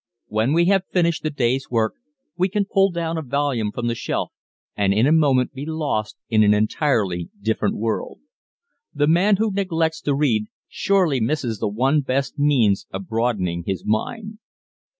When we have finished the day's work we can pull down a volume from the shelf and in a moment be lost in an entirely different world. The man who neglects to read surely misses the one best means of broadening his mind.